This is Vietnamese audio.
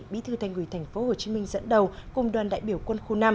bí thư thành ủy tp hcm dẫn đầu cùng đoàn đại biểu quân khu năm